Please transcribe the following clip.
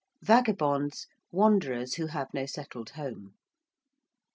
~Vagabonds~: wanderers who have no settled home.